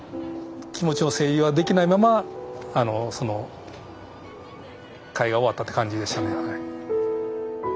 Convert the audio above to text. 気持ちの整理はできないままその終わったって感じでしたね。